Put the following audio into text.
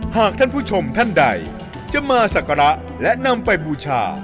หากท่านผู้ชมท่านใดจะมาสักการะและนำไปบูชา